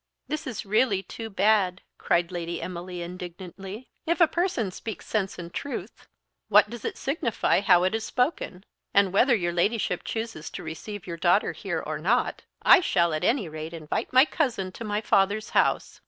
"This is really too bad," cried Lady Emily indignantly. "If a person speaks sense and truth, what does it signify how it is spoken? And whether your Ladyship chooses to receive your daughter here or not, I shall at any rate invite my cousin to my father's house."